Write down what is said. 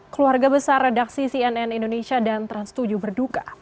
keluarga besar redaksi cnn indonesia dan trans tujuh berduka